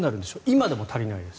今でも足りないです。